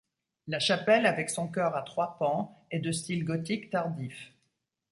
La chapelle avec son chœur à trois pans est de style gothique tardif.